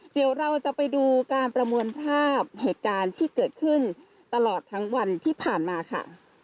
เดี๋ยวเราจะไปดูการประมวลภาพเหตุการณ์ที่เกิดขึ้นตลอดทั้งวันที่ผ่านมาค่ะ